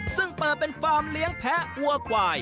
ซึ่งเปิดเป็นฟาร์มเลี้ยงแพะวัวควาย